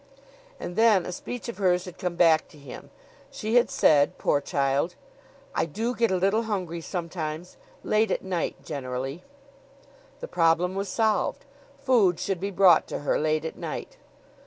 And then a speech of hers had come back to him. She had said poor child: "I do get a little hungry sometimes late at night generally." The problem was solved. Food should be brought to her late at night.